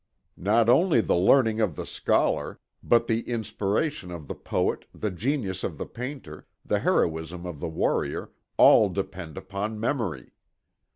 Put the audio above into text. Not only the learning of the scholar, but the inspiration of the poet, the genius of the painter, the heroism of the warrior, all depend upon memory.